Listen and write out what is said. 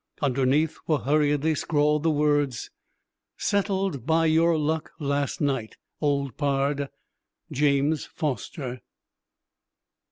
Underneath were hurriedly scrawled the words: "Settled by your luck, last night, old pard. James Foster."